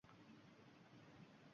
Nega etding meni parishon?